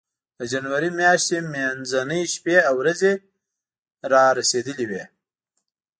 د جنوري میاشتې منځنۍ شپې او ورځې را ورسېدې وې.